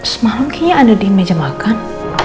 semalam kayaknya ada di meja makan